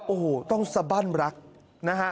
โอ้โหต้องสบั้นรักนะฮะ